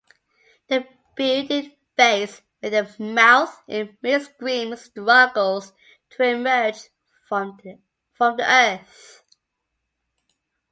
The bearded face, with the mouth in mid-scream, struggles to emerge from the earth.